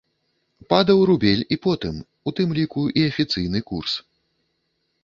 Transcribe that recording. Падаў рубель і потым, у тым ліку і афіцыйны курс.